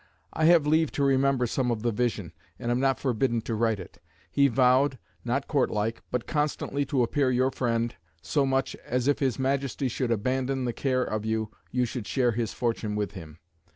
I have leave to remember some of the vision, and am not forbidden to write it. He vowed (not court like), but constantly to appear your friend so much, as if his Majesty should abandon the care of you, you should share his fortune with him.